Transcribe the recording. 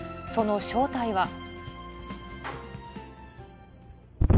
その正体は。